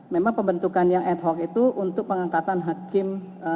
memang pembentukan yang ad hoc itu untuk pengangkatan hakim